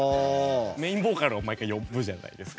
メインボーカルを毎回呼ぶじゃないですか。